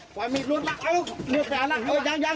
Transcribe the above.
ก็ยังไม่รู้นะว่าก็มีคนแล้วกลับไป